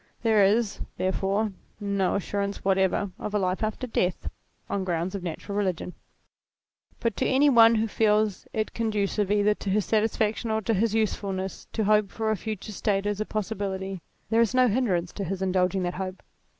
There is, therefore, no assurance whatever of a life after death, on grounds of natural religion. But to any one who feels it conducive either to his satisfaction or to his usefulness to hope for a future state as a possibility, there is no hindrance to his indulging that hope.